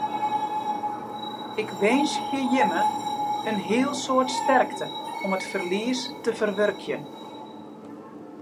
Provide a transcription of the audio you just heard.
Ik winskje jimme in heel soad sterkte om it ferlies te ferwurkjen.